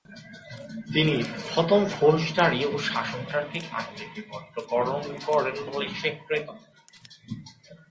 তিনি প্রথম ফৌজদারি ও শাসনতান্ত্রিক আইন লিপিবদ্ধ করণ করেন বলে স্বীকৃত।